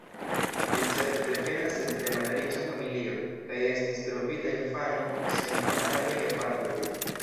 Li certe devenas el tre malriĉa familio, kaj estis trovita infano sen konataj gepatroj.